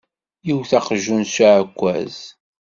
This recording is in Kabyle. Yewet aqjun s uɛekkaz.